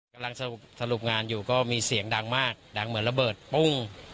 กำลังสรุปงานอยู่ก็มีเสียงดังมากดังเหมือนระเบิดปุ้ง